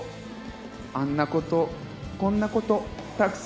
あんなこと、こんなこと、たくさ